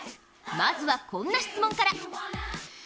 まずはこんな質問から。